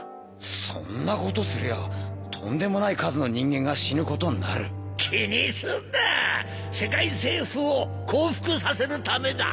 そんなことすりゃとんでもない数の人間が死ぬことになる気にすんな世界政府を降伏させるためだ